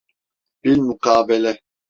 Bilmukabele.